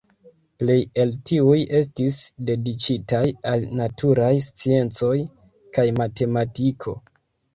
Plej el tiuj estis dediĉitaj al naturaj sciencoj kaj matematiko.